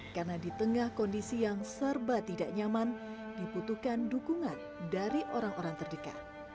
karena di tengah kondisi yang serba tidak nyaman dibutuhkan dukungan dari orang orang terdekat